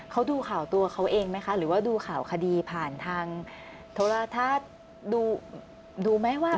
เขาดูข่าวตัวเขาเองไหมคะหรือว่าดูข่าวคดีผ่านทางโทรทัศน์ดูไหมว่า